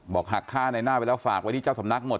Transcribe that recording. หักฆ่าในหน้าไปแล้วฝากไว้ที่เจ้าสำนักหมด